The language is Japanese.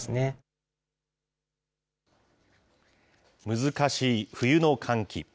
難しい冬の換気。